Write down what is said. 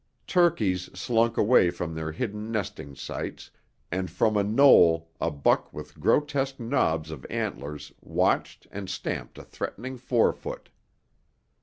Turkeys slunk away from their hidden nesting sites, and from a knoll a buck with grotesque knobs of antlers watched and stamped a threatening forefoot.